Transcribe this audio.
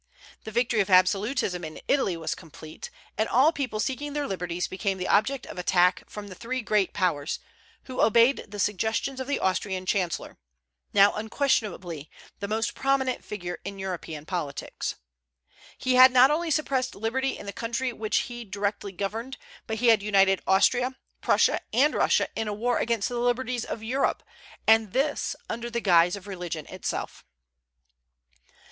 The victory of absolutism in Italy was complete, and all people seeking their liberties became the object of attack from the three great Powers, who obeyed the suggestions of the Austrian chancellor, now unquestionably the most prominent figure in European politics. He had not only suppressed liberty in the country which he directly governed, but he had united Austria, Prussia, and Russia in a war against the liberties of Europe, and this under the guise of religion itself.